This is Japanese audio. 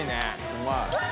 うまい。